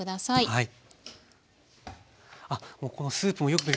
はい。